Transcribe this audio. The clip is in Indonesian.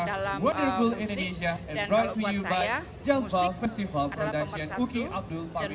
dalam tahun dua ribu saya sedang ditarikkan